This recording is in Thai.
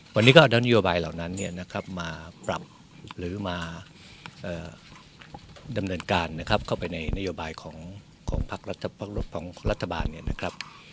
วันนี้ก็เอานโยบายเหล่านั้นเนี่ยนะครับมาปรับหรือมาดำเนินการนะครับเข้าไปในนโยบายของพักรถของรัฐบาลเนี่ยนะครับ